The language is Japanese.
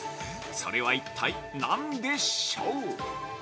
それは一体何でしょう？